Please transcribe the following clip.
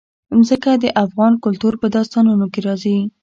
ځمکه د افغان کلتور په داستانونو کې راځي.